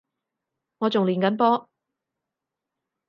我仲練緊波